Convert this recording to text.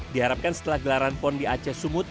diharapkan setelah gelaran pon di aceh sumut